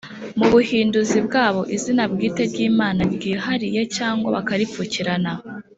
mu buhinduzi bwabo izina bwite ry Imana ryihariye cyangwa bakaripfukirana